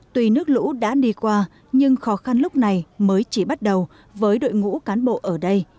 tuy nước lũ đã đi qua nhưng khó khăn lúc này mới chỉ bắt đầu với đội ngũ cán bộ ở đây